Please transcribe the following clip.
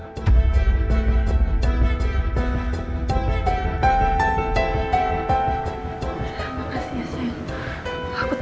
makasih ya sayang